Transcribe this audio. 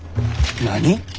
何！？